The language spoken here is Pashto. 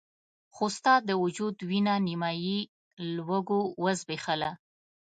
خو ستا د وجود وينه نيمایي لوږو وزبېښله.